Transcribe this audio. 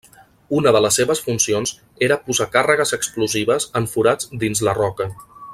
Una de les seves funcions era posar càrregues explosives en forats dins la roca.